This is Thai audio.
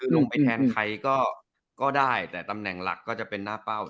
ลงไปแทนใครก็ได้แต่ตำแหน่งหลักก็จะเป็นหน้าเป้า